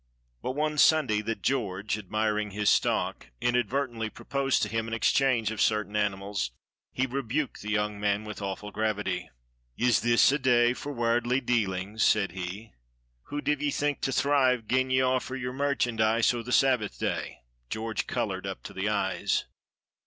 But one Sunday that George, admiring his stock, inadvertently proposed to him an exchange of certain animals, he rebuked the young man with awful gravity. "Is this a day for warldly dealings?" said he. "Hoo div ye think to thrive gien y'offer your mairchandeeze o' the Sabba day!" George colored up to the eyes.